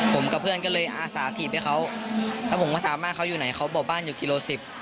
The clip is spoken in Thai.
ผมกับเพื่อนก็เลยอาสาถีบให้เขาแล้วผมก็สามารถเขาอยู่ไหนเขาบอกบ้านอยู่กิโลสิบ